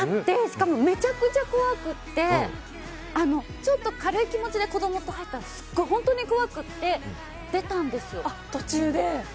しかも、めちゃくちゃ怖くてちょっと軽い気持ちで子供と入ったらすごい本当に怖くて出たんですよ。